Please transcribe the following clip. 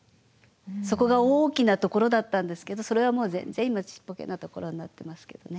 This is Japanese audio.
そこが大きなところだったんですけどそれはもう全然今ちっぽけなところになってますけどね。